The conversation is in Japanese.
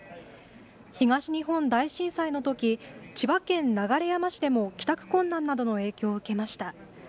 東日本大震災のとき、千葉県流山市でも帰宅困難などの影響を受けました。